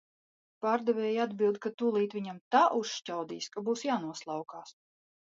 Pārdevēja atbild, ka tūlīt viņam tā uzšķaudīs, ka būs jānoslaukās.